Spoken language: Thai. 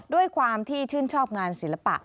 ด้วยความที่ชื่นชอบงานศิลปะ